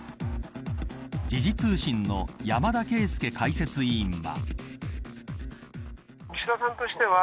時事通信の山田惠資解説委員は。